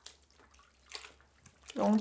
三氟乙醇在有机化学中用作溶剂。